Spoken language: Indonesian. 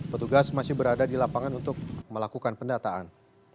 petugas masih berada di lapangan untuk melakukan pendataan